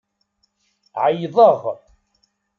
Ɛeyyḍeɣ.